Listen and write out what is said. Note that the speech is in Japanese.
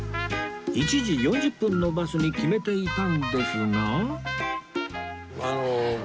１時４０分のバスに決めていたんですが